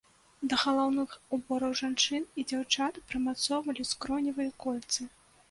Да галаўных убораў жанчын і дзяўчат прымацоўвалі скроневыя кольцы.